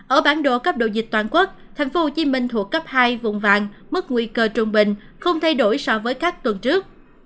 ở bản đồ cấp độ dịch toàn quốc tp hcm thuộc cấp hai vùng vàng mức nguy cơ trung bình không thay đổi so với các tuần trước